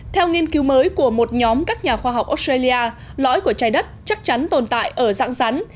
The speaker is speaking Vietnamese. theo nghiên cứu mới của một nhóm các nhà khoa học australia lõi của trái đất chắc chắn tồn tại ở dạng rắn